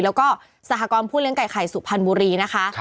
แล้วก็สหกรณ์ผู้เลี้ยไก่ไข่สุพรรณบุรีนะคะ